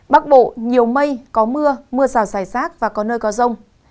bắc bộ nhiều mây có mưa mưa rào dài rác và có nơi có rông